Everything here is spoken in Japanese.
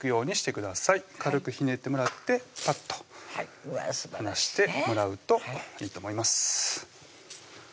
軽くひねってもらってパッと離してもらうといいと思います